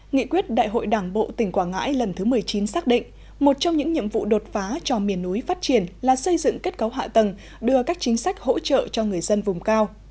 nghị quyết đại hội đảng bộ tỉnh quảng ngãi lần thứ một mươi chín xác định một trong những nhiệm vụ đột phá cho miền núi phát triển là xây dựng kết cấu hạ tầng đưa các chính sách hỗ trợ cho người dân vùng cao